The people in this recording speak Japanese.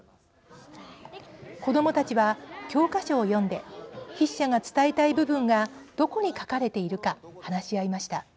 子どもたちは教科書を読んで筆者が伝えたい部分がどこに書かれているか話し合いました。